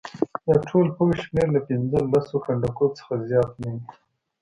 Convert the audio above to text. د ټول پوځ شمېر له پنځه لسو کنډکو څخه زیات نه وي.